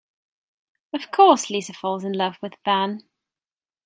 Of course, Lisa falls in love with Van.